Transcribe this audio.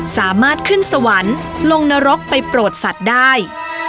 สามารถขึ้นสวรรค์ลงนรกไปโปรดสัตว์ได้